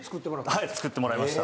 はい作ってもらいました。